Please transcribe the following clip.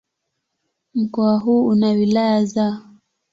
Mkoa huu una wilaya za